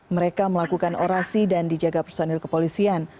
mereka melakukan orasi dan dijaga personil kepolisian